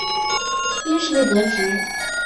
因事被革职。